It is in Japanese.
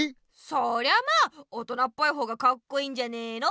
そりゃまあ大人っぽい方がかっこいいんじゃねの？